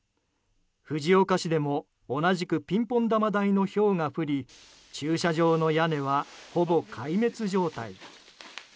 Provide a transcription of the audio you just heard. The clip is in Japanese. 藤岡市でも同じくピンポン球大のひょうが降り駐車場の屋根は、ほぼ壊滅状態。